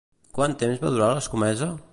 Quant temps va durar l'escomesa?